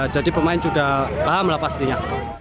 jadi pemain sudah paham lah pastinya